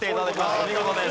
お見事です。